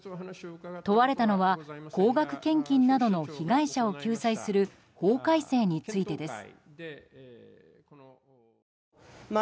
問われたのは高額献金などの被害者を救済する法改正についてです。